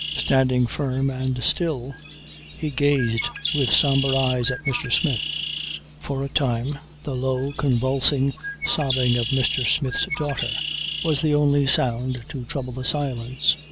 Standing firm and still he gazed with sombre eyes at Mr. Smith. For a time the low convulsive sobbing of Mr. Smith's daughter was the only sound to trouble the silence.